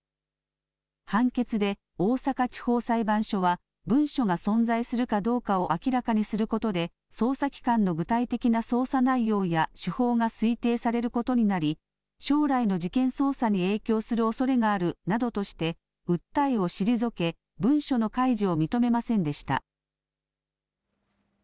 判決で大阪地方裁判所は、文書が存在するかどうかを明らかにすることで、捜査機関の具体的な捜査内容や手法が推定されることになり、将来の事件捜査に影響するおそれがあるなどとして、訴えを退け、文書の開示を認めませんでした。